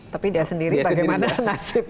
tapi dia sendiri bagaimana nasib